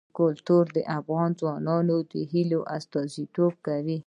کلتور د افغان ځوانانو د هیلو استازیتوب کوي.